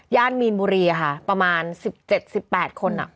ย่านมีนบุรีค่ะประมาณ๑๗๑๘คนอ่ะ